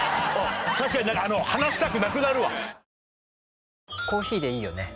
確かになんか離したくなくなるわ。